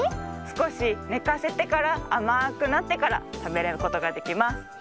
すこしねかせてからあまくなってからたべることができます。